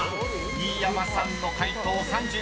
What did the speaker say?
［新山さんの解答３３％］